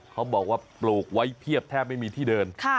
เขาบอกว่าปลูกไว้เพียบแทบไม่มีที่เดิน